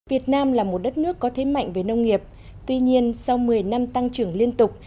việt nam là một đất nước có thế mạnh về nông nghiệp tuy nhiên sau một mươi năm tăng trưởng liên tục